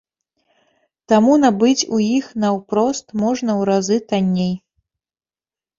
Таму набыць у іх наўпрост можна ў разы танней.